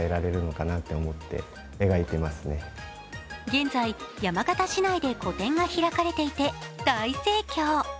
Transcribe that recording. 現在、山形市内で個展が開かれていて大盛況。